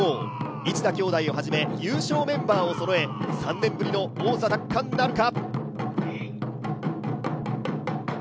市田兄弟をはじめ優勝メンバーをそろえ３年ぶりの王座奪還なるか。